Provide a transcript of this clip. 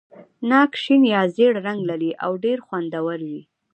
ناک شین یا ژېړ رنګ لري او ډېر خوندور وي.